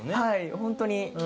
はい本当に。